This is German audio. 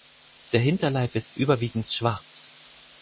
Der Hinterleib ist überwiegend schwarz.